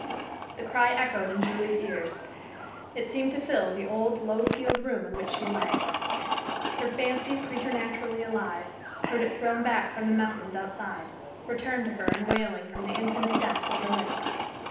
_" The cry echoed in Julie's ears. It seemed to fill the old, low ceiled room in which she lay. Her fancy, preternaturally alive, heard it thrown back from the mountains outside returned to her in wailing from the infinite depths of the lake.